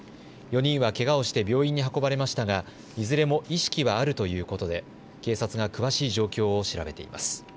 ４人はけがをして病院に運ばれましたがいずれも意識はあるということで警察が詳しい状況を調べています。